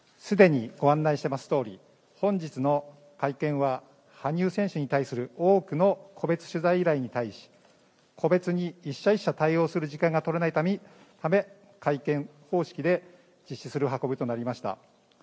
既にご案内していますとおり本日の会見は、羽生選手に対する多くの個別取材依頼に対し個別に一社一社対応する時間が取れないため、会見方式で実施する運びとなりました。